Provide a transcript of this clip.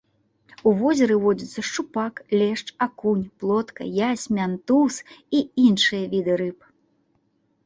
У возеры водзяцца шчупак, лешч, акунь, плотка, язь, мянтуз і іншыя віды рыб.